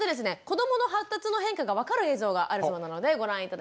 子どもの発達の変化がわかる映像があるそうなのでご覧頂きましょう。